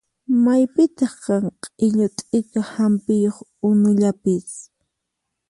Maypitaq kan q'illu t'ika hampiyuq unullapis?